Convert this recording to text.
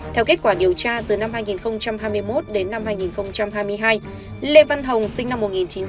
theo kết quả điều tra từ năm hai nghìn hai mươi một đến năm hai nghìn hai mươi hai lê văn hồng sinh năm một nghìn chín trăm tám mươi